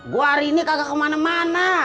gua hari ini kaga kemana dua